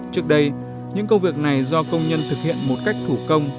trước đây những công việc này do công nhân thực hiện một cách thủ công